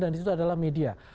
dan itu adalah media